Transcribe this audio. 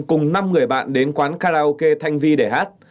cùng năm người bạn đến quán karaoke thanh vi để hát